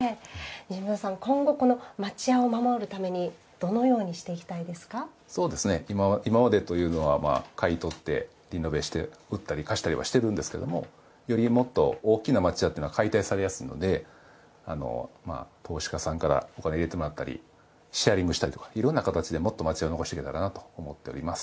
西村さん、今後町家を守るために今までというのは買い取ってリノベして売ったり貸したりはしているんですけれどもよりもっと大きな町家というのは解体されやすいので投資家さんからお金を入れてもらったりシェアリングをしたりとかいろんな形でもっと町家を残していけたらなと思っております。